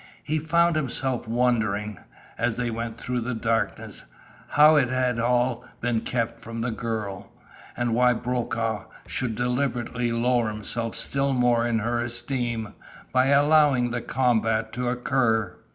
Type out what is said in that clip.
He found himself wondering, as they went through the darkness, how it had all been kept from the girl, and why Brokaw should deliberately lower himself still more in her esteem by allowing the combat to occur.